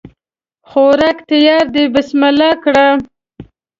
خوراک تیار ده بسم الله کړی